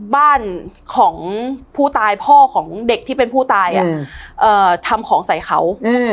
บ้านของผู้ตายพ่อของเด็กที่เป็นผู้ตายทำของใส่เขา